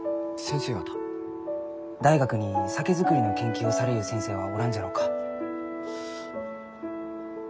大学に酒造りの研究をされゆう先生はおらんじゃろうか？